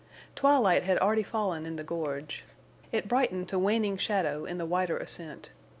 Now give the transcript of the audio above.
Twilight had already fallen in the gorge. It brightened to waning shadow in the wider ascent.